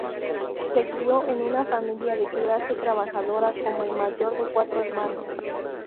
Se crio en una familia de clase trabajadora como el mayor de cuatro hermanos.